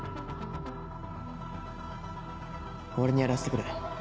俺にやらせてくれ。